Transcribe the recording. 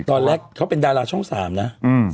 ตอนแรกเขาเป็นดาราช่อง๓นะ